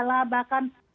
dari tempat wisata kalau ada